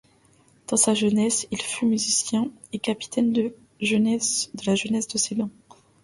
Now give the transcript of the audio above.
Dans sa jeunesse, il fut musicien et capitaine de la jeunesse de Sedan.